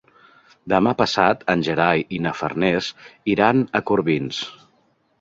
Demà passat en Gerai i na Farners iran a Corbins.